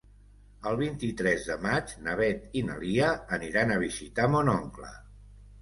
El vint-i-tres de maig na Beth i na Lia aniran a visitar mon oncle.